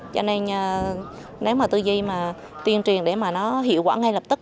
cho nên nếu mà tuyên truyền để mà nó hiệu quả ngay lập tức